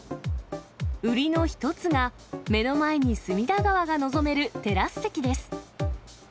売りの一つが、目の前に墨田川が望めるテラス席です。